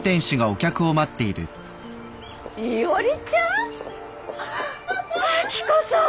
伊織ちゃん？明子さん！